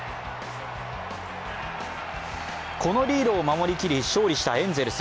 このリードを守りきり勝利したエンゼルス。